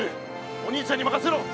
お兄ちゃんにまかせろ！